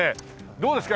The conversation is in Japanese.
どうですか？